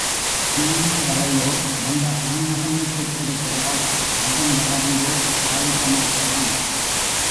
பீலிவளையோ நல்ல ஆண் மகனைப் பெற்றெடுக்கிறாள், அவன் வளர்ந்து வாலிபமாகிறான்.